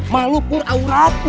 malu pur aurat